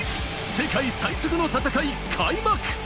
今宵、世界最速の戦い開幕。